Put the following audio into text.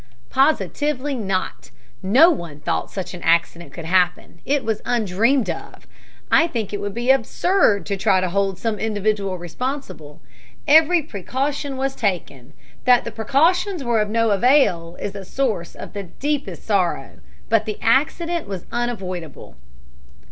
"Positively not. No one thought such an accident could happen. It was undreamed of. I think it would be absurd to try to hold some individual responsible. Every precaution was taken; that the precautions were of no avail is a source of the deepest sorrow. But the accident was unavoidable."